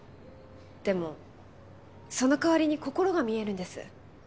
でもその代わりに心が見えるんです